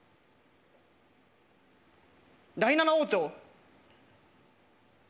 第７王朝。